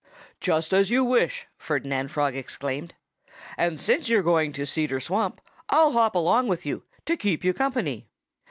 "Just as you wish!" Ferdinand Frog exclaimed. "And since you're going to Cedar Swamp, I'll hop along with you, to keep you company."